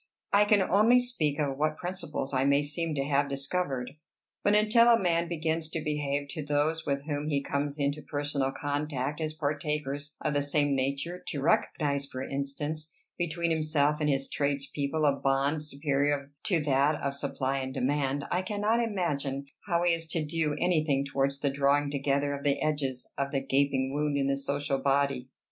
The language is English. I can only speak of what principles I may seem to have discovered. But until a man begins to behave to those with whom he comes into personal contact as partakers of the same nature, to recognize, for instance, between himself and his trades people a bond superior to that of supply and demand, I cannot imagine how he is to do any thing towards the drawing together of the edges of the gaping wound in the social body."